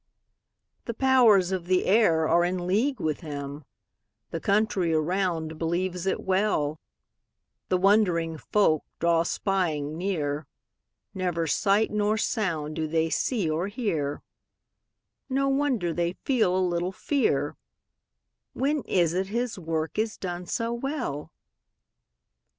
The powers of the air are in league with him; The country around believes it well; The wondering folk draw spying near; Never sight nor sound do they see or hear; No wonder they feel a little fear; When is it his work is done so well?